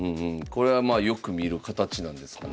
これはまあよく見る形なんですかね。